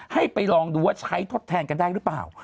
ให้ไปลองดูว่าใช้ทดแทนกันได้หรือเปล่า